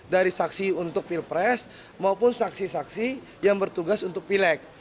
dari saksi untuk pilpres maupun saksi saksi yang bertugas untuk pileg